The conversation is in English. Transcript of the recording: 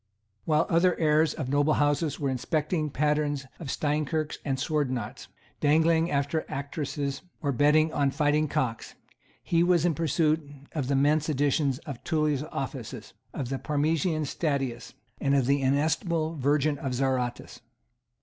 While other heirs of noble houses were inspecting patterns of steinkirks and sword knots, dangling after actresses, or betting on fighting cocks, he was in pursuit of the Mentz editions of Tully's Offices, of the Parmesan Statius, and of the inestimable Virgin of Zarottus.